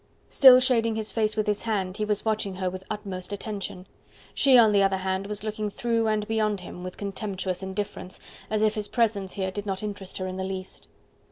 Still shading his face with his hand, he was watching her with utmost attention: she, on the other hand, was looking through and beyond him, with contemptuous indifference, as if his presence here did not interest her in the least.